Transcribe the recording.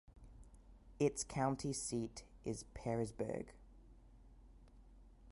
Its county seat is Pearisburg.